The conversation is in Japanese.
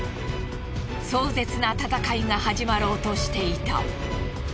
壮絶な戦いが始まろうとしていた。